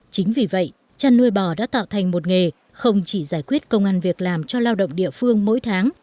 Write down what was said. chính vì vậy chăn nuôi bò đã tạo thành một nghề không chỉ giải quyết công an việc làm cho lao động địa phương mỗi tháng